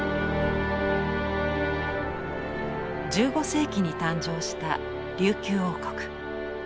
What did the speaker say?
１５世紀に誕生した琉球王国。